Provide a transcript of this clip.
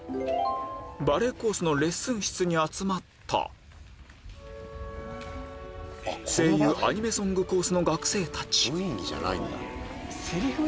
バレエコースのレッスン室に集まった声優アニメソングコースの学生たちセリフ